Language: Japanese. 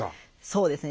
そうですね